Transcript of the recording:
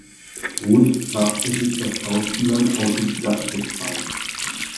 Groth brachte sich das Schauspielern autodidaktisch bei.